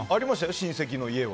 親戚の家は。